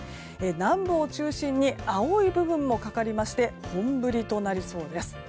南部を中心に青い部分もかかりまして本降りとなりそうです。